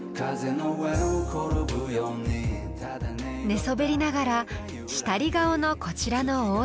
寝そべりながらしたり顔のこちらの大旦那。